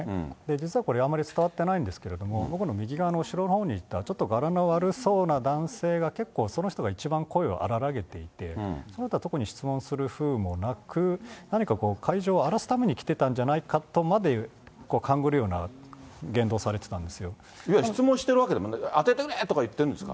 実はこれ、あまり伝わってないんですけども、僕の右側の後ろのほうにいた、ちょっとがらの悪そうな男性が、結構、その人が一番声を荒らげていて、その方は特に質問をするふうでもなく、何かこう、会場を荒らすために来てたんじゃないかとまで勘ぐるような言動さいわゆる質問してるわけでもない、当ててくれとか言ってるんですか。